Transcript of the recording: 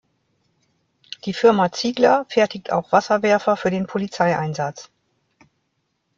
Die Firma Ziegler fertigt auch Wasserwerfer für den Polizeieinsatz.